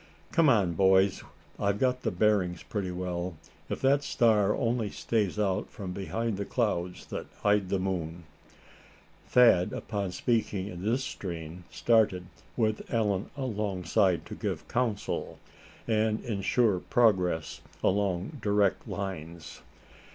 "Come on, boys, I've got the bearings pretty well, if that star only stays out from behind the clouds that hide the moon." Thad, upon speaking in this strain, started, with Allan alongside to give council, and insure progress along direct lines.